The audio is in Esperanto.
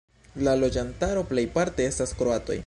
La loĝantaro plejparte estas kroatoj.